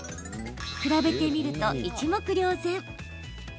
比べてみると、一目瞭然。